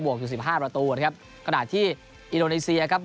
บวกอยู่๑๕ประตูนะครับกระดาษที่อินโดนีเซียครับ